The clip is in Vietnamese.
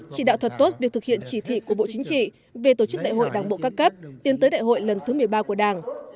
chỉ đạo thật tốt việc thực hiện chỉ thị của bộ chính trị về tổ chức đại hội đảng bộ các cấp tiến tới đại hội lần thứ một mươi ba của đảng